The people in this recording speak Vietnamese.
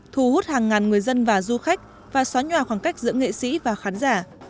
thu hút hàng ngàn người dân và du khách và xóa nhòa khoảng cách giữa nghệ sĩ và khán giả